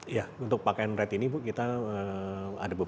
iya untuk park and ride ini bu kita ada beberapa